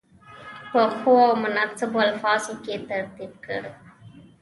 په ښو او مناسبو الفاظو کې ترتیب کړي.